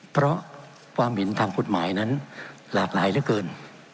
เพราะความเห็นทางกฎหมายนั้นหลากหลายเหลือเกิน